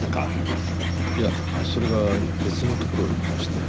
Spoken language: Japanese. いやそれが今別の所にいまして。